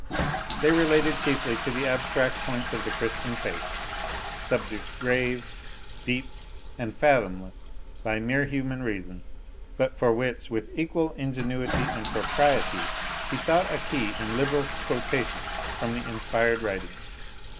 They related chiefly to the abstract points of the Christian faith, subjects grave, deep, and fathomless by mere human reason, but for which, with equal ingenuity and propriety, he sought a key in liberal quotations from the inspired writings.